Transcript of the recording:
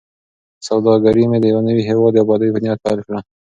سوداګري مې د یوه نوي هیواد د ابادۍ په نیت پیل کړه.